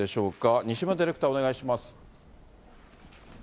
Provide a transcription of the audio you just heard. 西村ディレクター、お願いします。